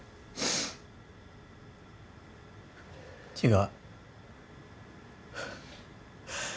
違う。